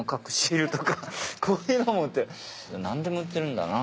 こういうのも売って何でも売ってるんだな。